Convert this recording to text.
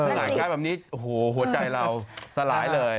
หลายการ์ดแบบนี้หัวใจเราสลายเลย